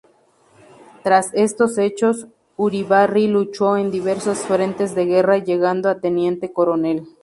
Tras estos hechos, Uribarri luchó en diversos frentes de guerra llegando a teniente coronel.